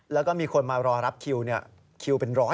แล้วก็มีคนมารอรับคิวคิวเป็น๑๐๐